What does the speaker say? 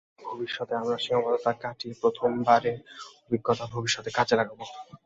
ভবিষ্যতে আমরা সীমাবদ্ধতা কাটিয়ে প্রথমবারের অভিজ্ঞতা ভবিষ্যতে কাজে লাগাব।